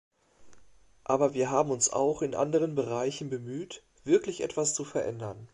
Aber wir haben uns auch in anderen Bereichen bemüht, wirklich etwas zu verändern.